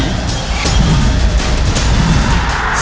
สู้พวกศักดิ์ศรี